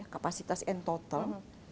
kapasitas and total